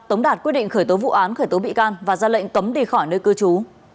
tống đạt quyết định khởi tố vụ án khởi tố bị can và ra lệnh cấm đi khỏi nơi cư trú